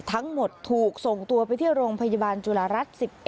ทั้งหมดถูกส่งตัวไปที่โรงพยาบาลจุฬารัฐ๑๑